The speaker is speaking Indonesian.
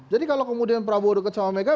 jadi kalau kemudian prabowo deket sama megawati